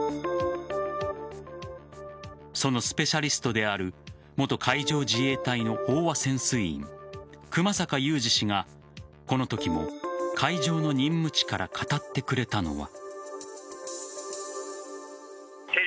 そのスペシャリストである元海上自衛隊の飽和潜水員熊坂雄二氏が、このときも海上の任務地から語ってくれたのは。